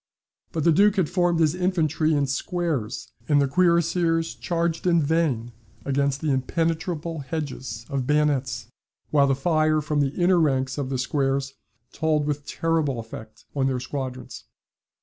But the Duke had formed his infantry in squares, and the cuirassiers charged in vain against the impenetrable hedges of bayonets, while the fire from the inner ranks of the squares told with terrible effect on their squadrons.